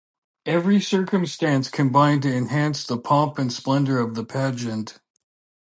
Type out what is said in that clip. Every circumstance combined to enhance the pomp and splendor of the pageant.